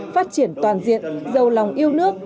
phát triển toàn diện giàu lòng yêu nước